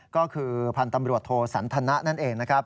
ก็คือพันธ์ตำรวจโทสันทนะนั่นเองนะครับ